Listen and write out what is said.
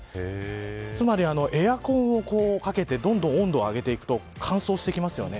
つまり、エアコンをかけてどんどん温度を上げていくと乾燥してきますよね。